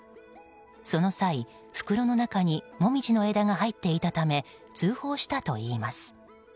その際、袋の中にモミジの枝が入っていたため通報したといいます。